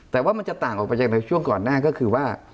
แต่ว่ามันจะต่างออกไปจากในช่วงก่อนหน้าก็คือว่า